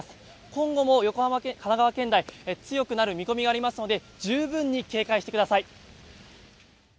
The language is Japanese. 今後も神奈川県内強くなる見込みがありますので十分に警戒してください。